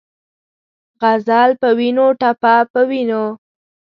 غزل پۀ وینو ، ټپه پۀ وینو